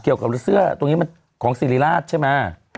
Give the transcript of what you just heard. เกี่ยวกับเสื้อตรงนี้มันของซีรีราศใช่มั้ย